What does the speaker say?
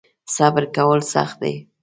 صبر کول سخت دی .